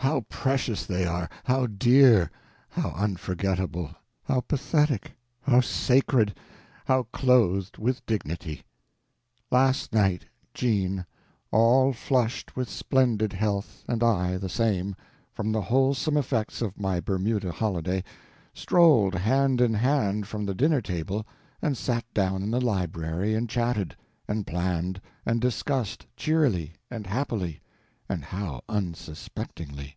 how precious they are, how dear, how unforgettable, how pathetic, how sacred, how clothed with dignity! Last night Jean, all flushed with splendid health, and I the same, from the wholesome effects of my Bermuda holiday, strolled hand in hand from the dinner table and sat down in the library and chatted, and planned, and discussed, cheerily and happily (and how unsuspectingly!)